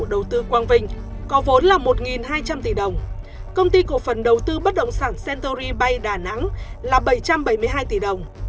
đầu tư quang vinh có vốn là một hai trăm linh tỷ đồng công ty cổ phần đầu tư bất động sản centory bay đà nẵng là bảy trăm bảy mươi hai tỷ đồng